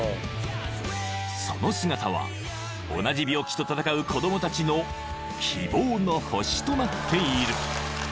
［その姿は同じ病気と闘う子供たちの希望の星となっている］